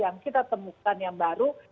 yang kita temukan yang baru